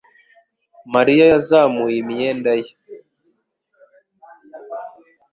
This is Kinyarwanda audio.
mariya yazamuye imyenda ye